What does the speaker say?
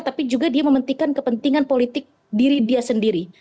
tapi juga dia mementingkan kepentingan politik diri dia sendiri